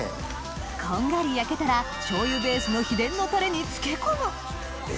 こんがり焼けたら醤油ベースの秘伝のタレに漬け込むえ